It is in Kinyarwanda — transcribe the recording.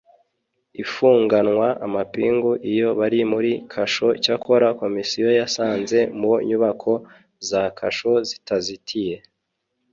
ifunganwa amapingu iyo bari muri kasho Cyakora Komisiyo yasanze mu nyubako za kasho zitazitiye